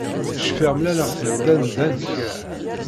Cfiɣ mlaleɣ-ten-id anda n kra.